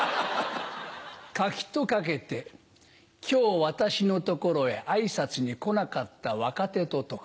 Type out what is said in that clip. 柿と掛けて今日私の所へ挨拶に来なかった若手と解く。